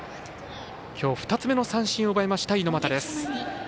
きょう２つ目の三振を奪いました猪俣です。